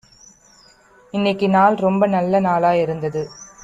இன்னிக்கு நாள் ரொம்ப நல்ல நாளா இருந்நது